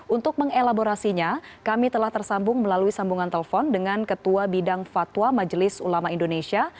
untuk mengelaborasinya kami telah tersambung melalui sambungan telepon dengan ketua bidang fatwa majelis ulama indonesia